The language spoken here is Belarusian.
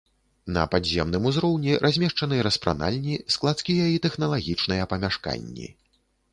На падземным узроўні размешчаны распранальні, складскія і тэхналагічныя памяшканні.